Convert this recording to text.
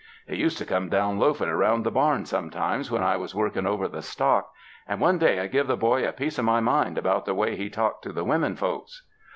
He used to come down loafing around the barn some times when I was working over the stock, and one day I give the boy a piece of my mind about the way he talked to the women folks.